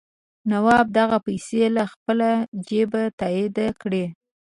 نواب دغه پیسې له خپله جېبه تادیه کړي.